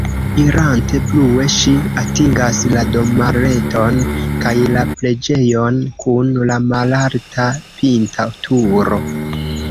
Irante plue ŝi atingas la domareton kaj la preĝejon kun la malalta pinta turo.